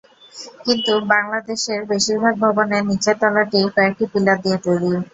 কিন্তু বাংলাদেশের বেশির ভাগ ভবনের নিচের তলাটি কয়েকটি পিলার দিয়ে তৈরি।